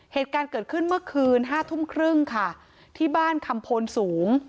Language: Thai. เหตุการณ์เกิดขึ้นเมื่อคืนห้าทุ่มครึ่งค่ะที่บ้านคำโพนสูง